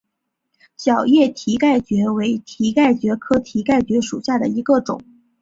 小叶蹄盖蕨为蹄盖蕨科蹄盖蕨属下的一个种。